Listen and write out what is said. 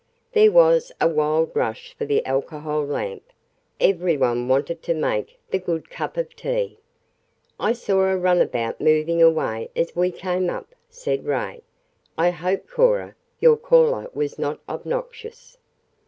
There was a wild rush for the alcohol lamp; every one wanted to make the good cup of tea. "I saw a runabout moving away as we came up," said Ray. "I hope, Cora, your caller was not obnoxious."